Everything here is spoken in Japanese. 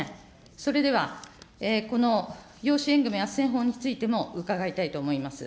それでは、この養子縁組みあっせん法についても伺いたいと思います。